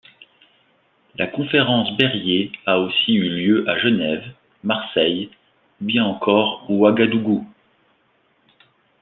La Conférence Berryer a aussi eu lieu à Genève, Marseille ou bien encore Ouagadougou.